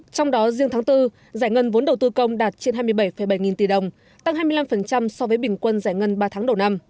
trong đó riêng tháng bốn giải ngân vốn đầu tư công đạt trên hai mươi bảy bảy nghìn tỷ đồng tăng hai mươi năm so với bình quân giải ngân ba tháng đầu năm